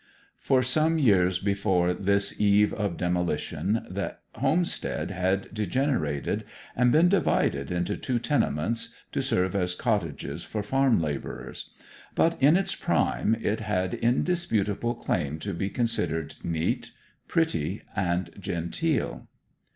For some years before this eve of demolition the homestead had degenerated, and been divided into two tenements to serve as cottages for farm labourers; but in its prime it had indisputable claim to be considered neat, pretty, and genteel.